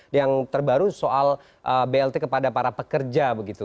yang terbaru soal blt kepada para pekerja begitu